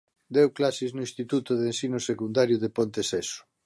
Deu clases no Instituto de Ensino Secundario de Ponteceso.